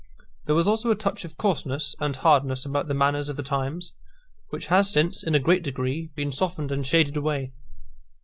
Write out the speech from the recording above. There was also a touch of coarseness and hardness about the manners of the times, which has since, in a great degree, been softened and shaded away.